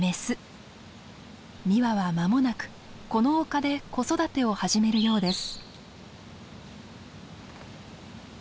２羽は間もなくこの丘で子育てを始めるようです。